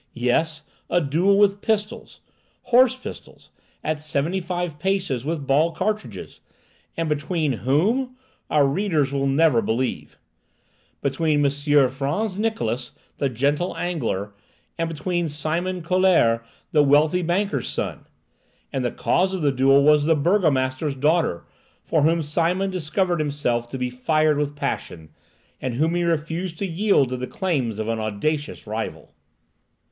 Yes, a duel with pistols—horse pistols—at seventy five paces, with ball cartridges. And between whom? Our readers will never believe! Between M. Frantz Niklausse, the gentle angler, and young Simon Collaert, the wealthy banker's son. And the cause of this duel was the burgomaster's daughter, for whom Simon discovered himself to be fired with passion, and whom he refused to yield to the claims of an audacious rival!